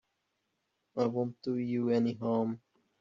It won't do you any harm.